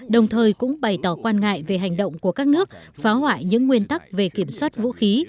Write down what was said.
đồng thời cũng bày tỏ quan ngại về hành động của các nước phá hoại những nguyên tắc về kiểm soát vũ khí